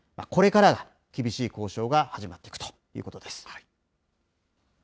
これからが厳しい交渉が始まっていくということです。